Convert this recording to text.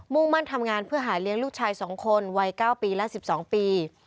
่งมั่นทำงานเพื่อหาเลี้ยงลูกชาย๒คนวัย๙ปีและ๑๒ปี